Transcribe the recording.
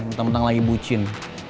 bentang bentang lagi bucin